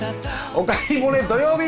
「おかえりモネ」土曜日！